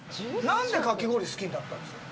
なんでかき氷好きになったんですか？